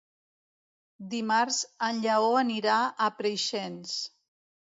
Dimarts en Lleó anirà a Preixens.